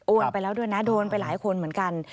ไปแล้วด้วยนะโดนไปหลายคนเหมือนกัน